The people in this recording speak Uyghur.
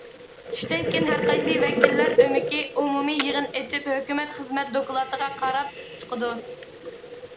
چۈشتىن كېيىن ھەرقايسى ۋەكىللەر ئۆمىكى ئومۇمىي يىغىن ئېچىپ، ھۆكۈمەت خىزمەت دوكلاتىغا قاراپ چىقىدۇ.